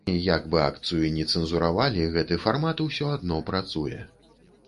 І як бы акцыю ні цэнзуравалі, гэты фармат ўсё адно працуе.